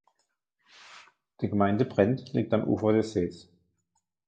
Die Gemeinde Brent liegt am Ufer des Sees.